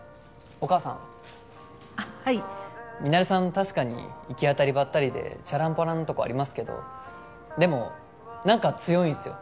確かに行き当たりばったりでチャランポランなとこありますけどでもなんか強いんすよ。